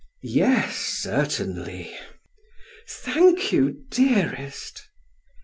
"Yes, certainly." "Thank you, dearest."